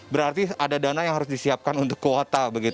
berarti ada dana yang harus disiapkan untuk kuota